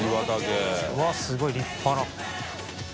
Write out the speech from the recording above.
うわすごい立派な。